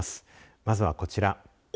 まずはこちら。